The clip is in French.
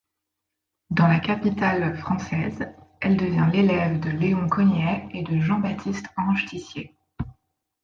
Dans la capitale française, elle devient l'élève de Léon Cogniet et de Jean-Baptiste-Ange Tissier.